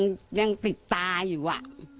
โอ้ยยังติดตาอยู่